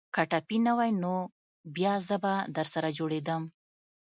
که ټپي نه واى نو بيا به زه درسره جوړېدم.